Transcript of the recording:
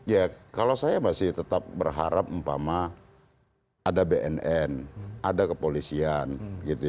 ya kalau saya masih tetap berharap empama ada bnn ada kepolisian gitu ya